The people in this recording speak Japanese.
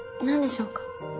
何でしょうか？